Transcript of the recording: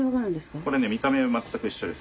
これね見た目は全く一緒です。